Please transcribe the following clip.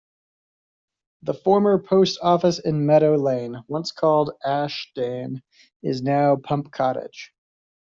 The former post office in Meadow Lane, once called Ashdene, is now Pump Cottage.